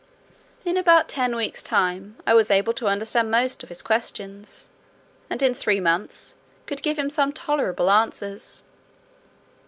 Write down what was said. In about ten weeks time, I was able to understand most of his questions; and in three months, could give him some tolerable answers.